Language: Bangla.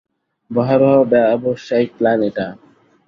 ভয়াবহ ব্যবসায়িক প্ল্যান এটা।